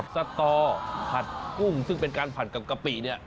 สกอร์ผัดกุ้งซึ่งเป็นการผัดกับกะปิเนี่ย